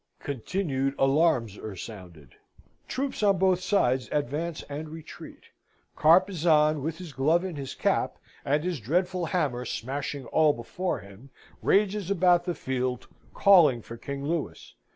Continued alarms are sounded. Troops on both sides advance and retreat. Carpezan, with his glove in his cap, and his dreadful hammer smashing all before him, rages about the field, calling for King Louis.